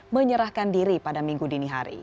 menyerahkan diri pada minggu dini hari